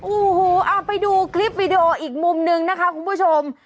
โอ้โหเอาไปดูคลิปวิดีโออีกมุมนึงนะคะคุณผู้ชม